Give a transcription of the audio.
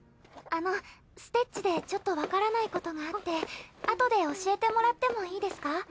あのステッチでちょっとわからないことがあってあとで教えてもらってもいいですか？